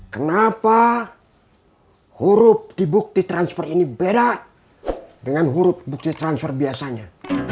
kenapa huruf di bukti transfer ini beda dengan huruf bukti transfer biasanya